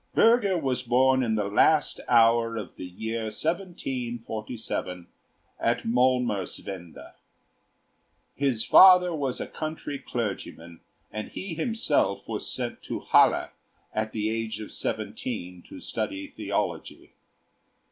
Bürger was born in the last hour of the year 1747 at Molmerswende. His father was a country clergyman, and he himself was sent to Halle at the age of seventeen to study theology.